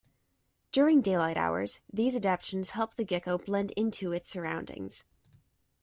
During daylight hours, these adaptations help the gecko blend into its surroundings.